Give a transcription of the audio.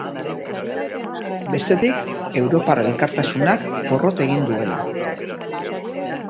Bestetik, europar elkartasunak porrot egin duela.